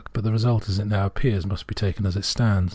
But the result, as it now appears, must be taken as it stands.